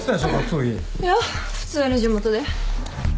いや普通に地元で。